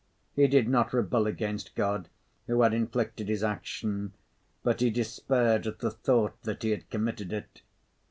He did not rebel against God, who had inflicted his action, but he despaired at the thought that he had committed it.